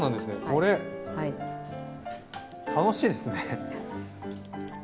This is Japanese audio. これ楽しいですね。